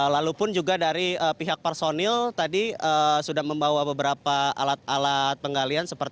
lalu pun juga dari pihak personil tadi sudah membawa beberapa alat alat penggalian